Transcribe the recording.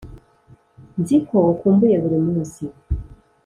nzi ko ukumbuye buri munsi.